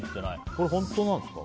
これ、本当なんですか？